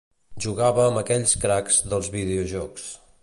Jugava amb aquells cracs dels videojocs.